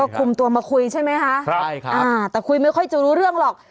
คุมตัวมาคุยใช่ไหมคะใช่ครับอ่าแต่คุยไม่ค่อยจะรู้เรื่องหรอก